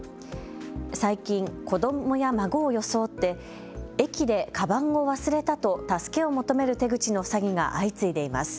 最近、子どもや孫を装って駅でかばんを忘れたと助けを求める手口の詐欺が相次いでいます。